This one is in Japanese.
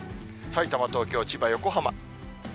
さいたま、東京、千葉、横浜。